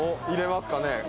入れますかね？